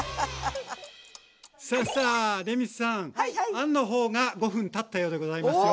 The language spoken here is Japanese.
あんのほうが５分たったようでございますよ。